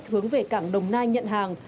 hướng về cảng đồng nai nhận hàng